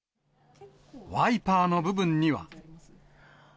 ワイパーの部分には。